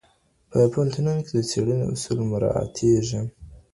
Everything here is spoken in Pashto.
په پوهنتونونو کي د څېړني اصول مراعتېږي.